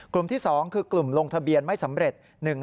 ที่๒คือกลุ่มลงทะเบียนไม่สำเร็จ